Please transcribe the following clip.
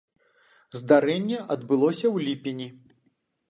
Здарэнне адбылося ў ліпені.